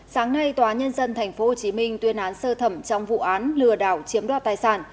sáng nay tòa nhân dân tp hcm tuyên án sơ thẩm trong vụ án lừa đảo chiếm đoạt tài sản